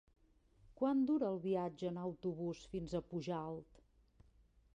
Quant dura el viatge en autobús fins a Pujalt?